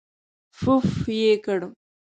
پووووووفففف یې کړ.